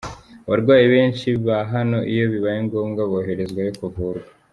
Abarwayi benshi ba hano iyo bibaye ngombwa boherezwayo kuvurwa.